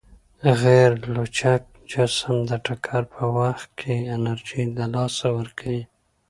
غیرلچک جسم د ټکر په وخت کې انرژي له لاسه ورکوي.